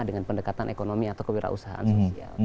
dengan pendekatan ekonomi atau kewirausahaan sosial